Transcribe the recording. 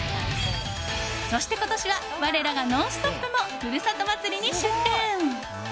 そして、今年は我らが「ノンストップ！」も「ふるさと祭り」に出店。